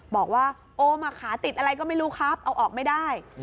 บอกว่าโอมขาติดอะไรก็ไม่รู้ครับเอาออกไม่ได้